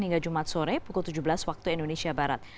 hingga jumat sore pukul tujuh belas waktu indonesia barat